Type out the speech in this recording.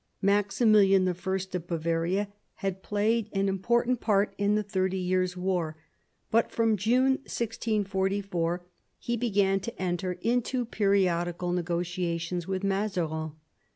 Maximilian I. of Bavaria had played an im portant part in the Thirty Years' War, but from June 1644 he began to enter into periodical negotiations with Mazarin.